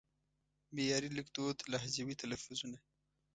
معیاري لیکدود لهجوي تلفظونه